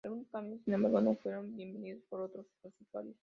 Algunos cambios, sin embargo, no fueron bienvenidos por todos los usuarios.